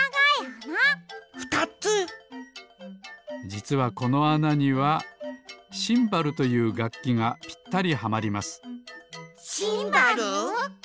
じつはこのあなには「シンバル」というがっきがぴったりはまりますシンバル？